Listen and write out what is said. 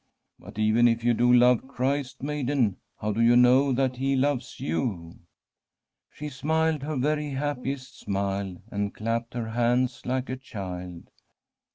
' But even if you do love Christ, maiden, how do you know that He loves you ?* She smiled her very happiest smile and clapped her hands like a child.